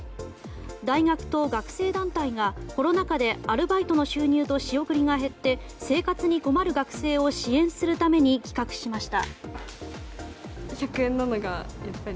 大学と学生団体がコロナ禍でアルバイトの収入と仕送りが減って生活に困る学生を支援するために企画しました。